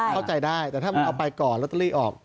เข้าใจได้แต่ถ้ามันเอาไปก่อนลอตเตอรี่ออก